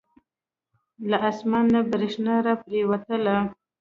له اسمان نه بریښنا را پریوتله.